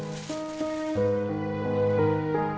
bini lu anak mak